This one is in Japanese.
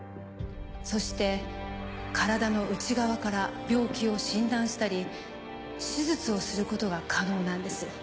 そして体の内側から病気を診断したり手術をすることが可能なんです